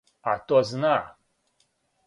А то зна.